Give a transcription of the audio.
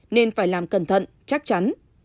nên phải làm cẩn thận chắc chắn